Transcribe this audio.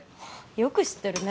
よく知ってるね